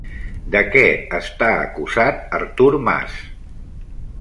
De què està acusat Artur Mas?